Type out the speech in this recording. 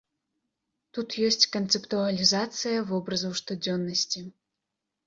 Тут ёсць канцэптуалізацыя вобразаў штодзённасці.